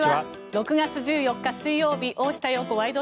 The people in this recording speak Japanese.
６月１４日、水曜日「大下容子ワイド！